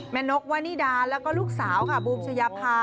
แม่นกวานิดาแล้วก็ลูกสาวบูมชยภา